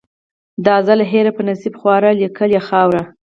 د ازل هېره په نصیب خواره لیکلې خاوره